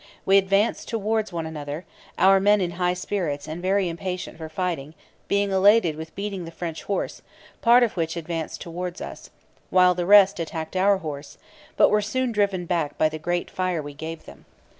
We advanced towards one another; our men in high spirits, and very impatient for fighting, being elated with beating the French Horse, part of which advanced towards us; while the rest attacked our Horse, but were soon driven back by the great fire we gave them.